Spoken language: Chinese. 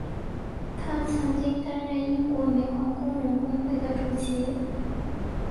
他曾经担任英国煤矿工人工会的主席。